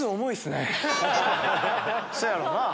そやろな。